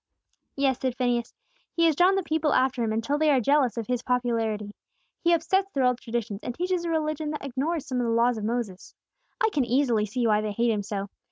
"Yes," said Phineas. "He has drawn the people after Him until they are jealous of His popularity. He upsets their old traditions, and teaches a religion that ignores some of the Laws of Moses. I can easily see why they hate Him so.